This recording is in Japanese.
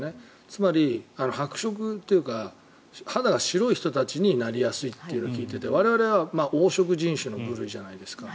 つまり白色というか肌が白い人たちがなりやすいって聞いていて我々は黄色人種の部類じゃないですか。